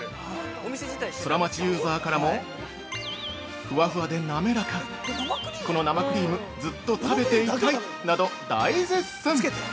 ソラマチユーザーからもふわふわでなめらかこの生クリームずっと食べていたいなど大絶賛。